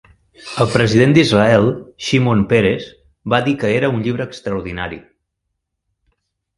El president d'Israel, Shimon Peres, va dir que era "un llibre extraordinari".